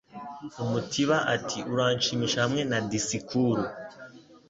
Umutiba ati Uranshimisha hamwe na disikuru